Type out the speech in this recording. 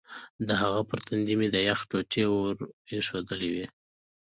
د هغه پر تندي مې د یخ ټوټې ور ایښودلې وې.